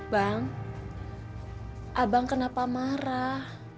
bang abang kenapa marah